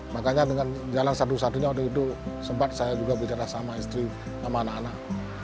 makanya dengan jalan satu satunya waktu itu sempat saya juga bicara sama istri sama anak anak